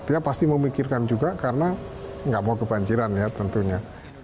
dia pasti memikirkan juga karena nggak mau kebanjiran ya tentunya